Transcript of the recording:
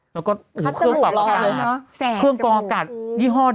แล้วก็